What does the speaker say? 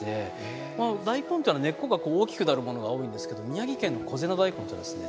大根というのは根っこが大きくなるものが多いんですけど宮城県の小瀬菜大根っていうのはですね